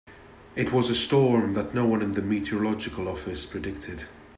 It was a storm that no one in the meteorological office predicted.